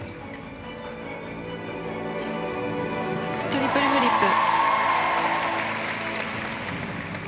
トリプルフリップ。